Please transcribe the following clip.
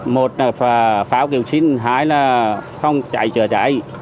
một là pháo kiểu xin hái là không cháy chữa cháy